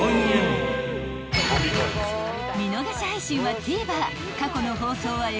［見逃し配信はＴＶｅｒ過去の放送はＦＯＤで］